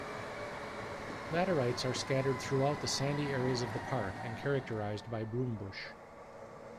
Laterites are scattered throughout the sandy areas of the park and characterised by broombush.